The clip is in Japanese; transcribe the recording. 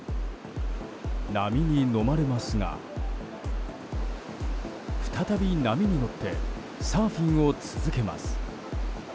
波にのまれますが再び波に乗ってサーフィンを続けます。